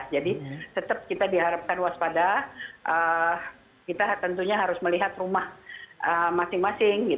jadi tetap kita diharapkan waspada kita tentunya harus melihat rumah masing masing